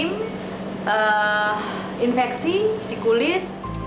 dan juga infeksi di kulit